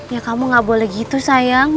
ya kamu gak boleh gitu sayang